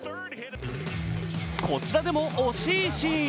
こちらでも惜しいシーン。